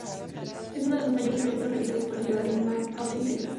Es una de las mayores proyectos realizados por la Ciudad de McAllen, Texas.